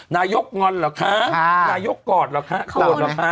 นายกงอนเหรอคะนายกกอดเหรอคะโกรธเหรอคะ